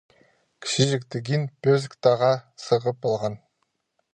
Кічиҷек тегин пӧзік таға сығып алған.